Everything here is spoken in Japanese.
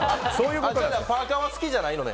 パーカは好きじゃないのね？